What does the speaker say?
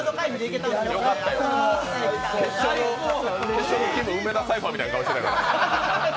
決勝のきむ、梅田サイファーみたいな顔してたから。